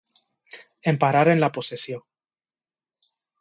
Emparar en la possessió.